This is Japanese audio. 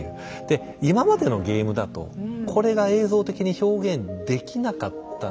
で今までのゲームだとこれが映像的に表現できなかったんですよね。